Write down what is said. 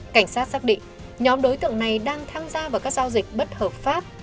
cảnh sát xác định nhóm đối tượng này đang tham gia vào các giao dịch bất hợp pháp